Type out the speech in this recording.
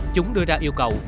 chúng đưa ra yêu cầu